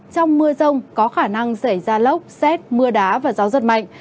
trong mưa rông có khả năng xảy ra lốc xét mưa đá và gió giật mạnh